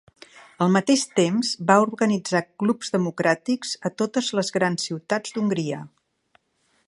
Al mateix temps, va organitzar clubs democràtics a totes les grans ciutats d'Hongria.